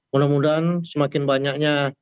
mudah mudahan semakin banyaknya